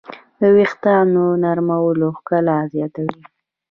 د وېښتیانو نرموالی ښکلا زیاتوي.